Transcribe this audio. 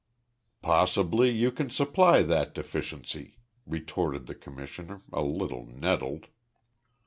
"Possibly you can supply that deficiency," retorted the Commissioner, a little nettled.